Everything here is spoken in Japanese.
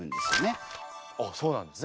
あっそうなんですか。